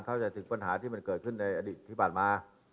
เข้าใจถึงปัญหาที่มันเกิดขึ้นในอดีตที่ผ่านมา